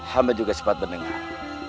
hama juga sempat mendengar